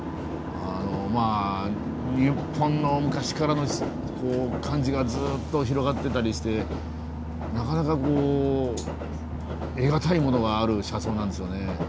まあ日本の昔からの感じがずっと広がってたりしてなかなかこう得難いものがある車窓なんですよね。